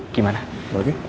aku mau dateng ke rumah